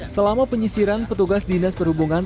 selama penyisiran petugas dinas perhubungan